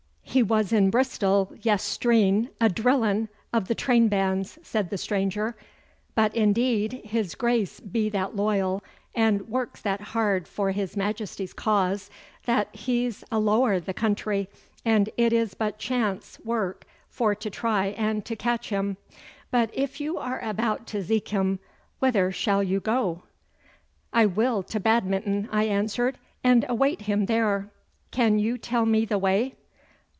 'He was in Bristol yestreen a drilling o' the train bands,' said the stranger; 'but, indeed, his Grace be that loyal, and works that hard for his Majesty's cause, that he's a' ower the county, and it is but chance work for to try and to catch him. But if you are about to zeek him, whither shall you go?' 'I will to Badminton,' I answered, 'and await him there. Can you tell me the way?